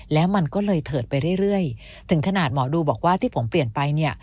แล้วมันก็เลยเถิดไปเรื่อยถึงขนาดหมอดูบอกว่าที่ผมเปลี่ยนไปเนี่ย